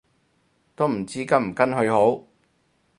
都唔知跟唔跟去好